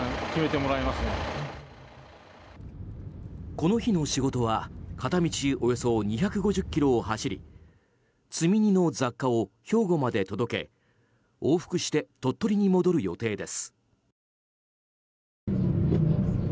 この日の仕事は片道およそ２５０ｋｍを走り積み荷の雑貨を兵庫まで届け往復して鳥取に戻る予定です。